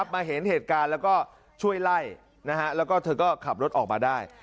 มาเห็นเหตุการณ์แล้วก็ช่วยไล่แล้วก็เธอก็ขับรถออกมาได้